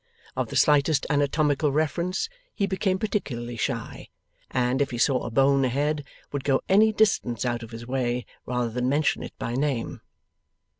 Of the slightest anatomical reference he became particularly shy, and, if he saw a bone ahead, would go any distance out of his way rather than mention it by name.